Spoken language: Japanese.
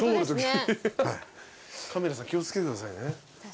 カメラさん気を付けてくださいね。